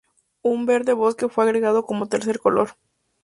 Un verde bosque fue agregado como tercer color.